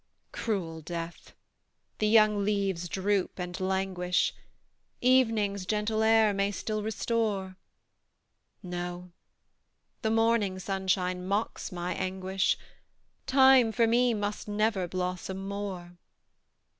Cruel Death! The young leaves droop and languish; Evening's gentle air may still restore No! the morning sunshine mocks my anguish Time, for me, must never blossom more!